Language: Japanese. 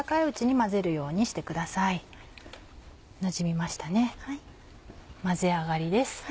混ぜ上がりです